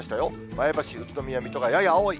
前橋、宇都宮、水戸がやや多い。